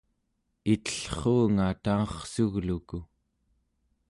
itellruunga tangerrsugluku